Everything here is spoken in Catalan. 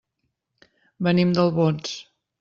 Venim d'Albons.